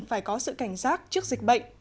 phải có sự cảnh giác trước dịch bệnh